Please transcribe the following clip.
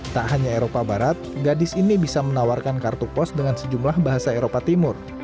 tak hanya eropa barat gadis ini bisa menawarkan kartu pos dengan sejumlah bahasa eropa timur